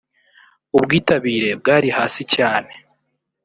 ubwitabire bwari hasi cyane